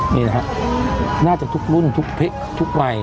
นี่นะฮะน่าจะทุกรุ่นทุกเพศทุกวัย